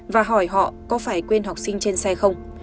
và hỏi họ có phải quên học sinh trên xe không